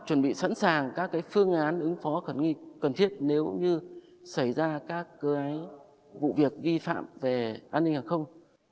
chuẩn bị sẵn sàng các phương án ứng phó cần thiết nếu như xảy ra các vụ việc ghi phạm về an ninh hàng không